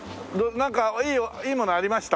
なんかいいものありました？